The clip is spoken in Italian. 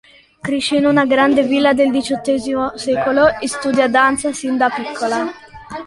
Cresce in una grande villa del diciottesimo secolo e studia danza sin da piccola.